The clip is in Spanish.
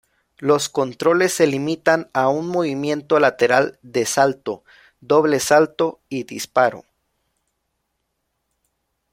Los controles se limitan a un movimiento lateral, de salto, doble salto y disparo.